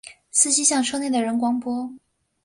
司机向车内的人广播